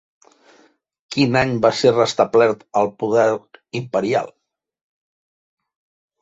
Quin any va ser restablert el poder imperial?